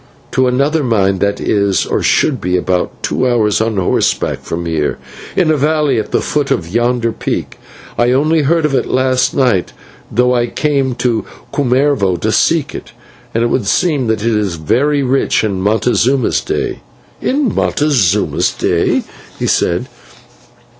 "To another mine that is, or should be, about two hours on horseback from here, in a valley at the foot of yonder peak. I only heard of it last night, though I came to Cumarvo to seek it, and it would seem that it was very rich in Montezuma's day." "In Montezuma's day?" he said.